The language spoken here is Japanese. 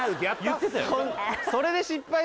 いってたよ